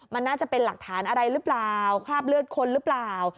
มันน่าจะเป็นหลักฐานอะไรหรือเปล่าคราบเลือดคนหรือเปล่า